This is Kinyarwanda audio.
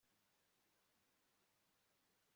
nkunda umuryango wanjye cyane